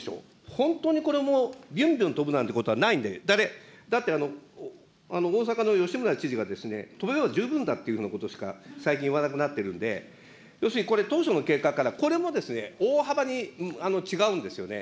本当に、これもびゅんびゅん飛ぶなんてことないんで、だって、大坂の吉村知事が飛べれば十分だというようなことしか最近言わなくなってるんで、要するにこれ、当初の計画から、これも大幅に違うんですよね。